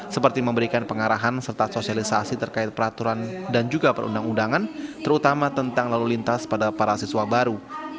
seperti memberikan pengarahan serta sosialisasi terkait peraturan dan juga perundang undangan terutama tentang lalu lintas pada para siswa baru